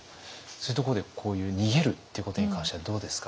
そういうところでこういう逃げるっていうことに関してはどうですか？